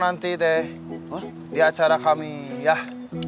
kalau dari abah